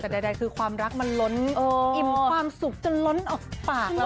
แต่ใดคือความรักมันล้นอิ่มความสุขจนล้นออกปากเรา